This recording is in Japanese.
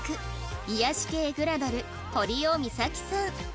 癒やし系グラドル堀尾実咲さん